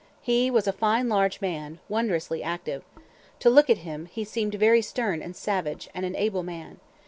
He was a fine large man—wondrously active. To look at him, he seemed very stern and savage, and an able man.